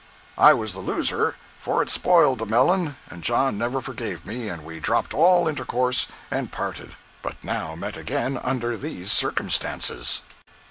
I was the loser, for it spoiled the melon, and John never forgave me and we dropped all intercourse and parted, but now met again under these circumstances.